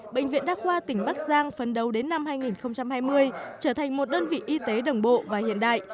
bệnh viện đa khoa tỉnh bắc giang phấn đấu đến năm hai nghìn hai mươi trở thành một đơn vị y tế đồng bộ và hiện đại